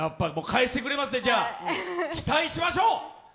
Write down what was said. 返してくれますね期待しましょう。